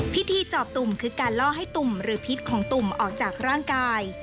จอบตุ่มคือการล่อให้ตุ่มหรือพิษของตุ่มออกจากร่างกาย